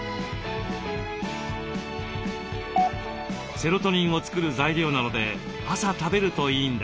セロトニンを作る材料なので朝食べるといいんです。